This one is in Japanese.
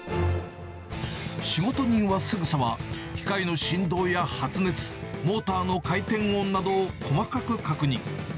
仕事人はすぐさま、機械の振動や発熱、モーターの回転音などを細かく確認。